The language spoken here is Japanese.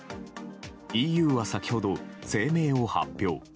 ＥＵは先ほど、声明を発表。